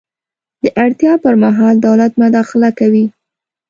د اړتیا پر مهال دولت مداخله کوي.